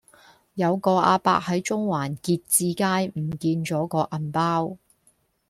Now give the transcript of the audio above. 有個亞伯喺中環結志街唔見左個銀包